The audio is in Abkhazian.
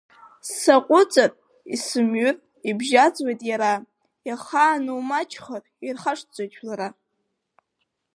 Саҟәыҵыр, исымҩыр, ибжьаӡуеит иара, иахаану маҷхар, ирхашҭӡоит жәлара.